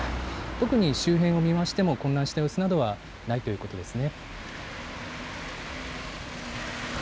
周辺を見ましても混乱した様子はなかったということですね。